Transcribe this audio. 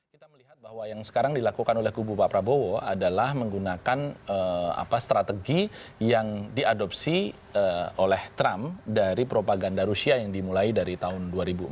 kita melihat bahwa yang sekarang dilakukan oleh kubu pak prabowo adalah menggunakan strategi yang diadopsi oleh trump dari propaganda rusia yang dimulai dari tahun dua ribu empat